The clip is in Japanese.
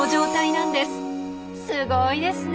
すごいですね！